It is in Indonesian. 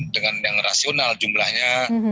dengan yang rasional jumlahnya